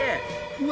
うわ。